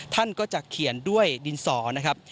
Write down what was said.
ท่านก็จะเขียนด้วยดินสอนะครับ